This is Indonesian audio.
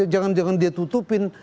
jangan jangan dia tutupin